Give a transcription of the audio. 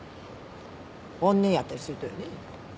本音やったりするとよね。